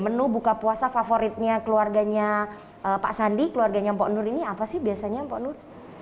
menu buka puasa favoritnya keluarganya pak sandi keluarganya mpok nur ini apa sih biasanya mpok nur